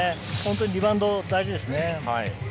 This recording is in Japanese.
リバウンドが大事ですね。